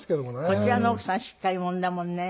こちらの奥さんしっかり者だもんね。